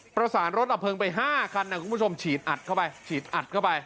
ประสานรถดับเพลิงไป๕คันคุณผู้ชมฉีดอัดเข้าไปฉีดอัดเข้าไป